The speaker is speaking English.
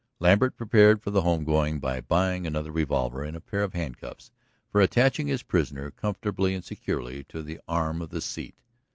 Lambert prepared for the home going by buying another revolver, and a pair of handcuffs for attaching his prisoner comfortably and securely to the arm of the seat.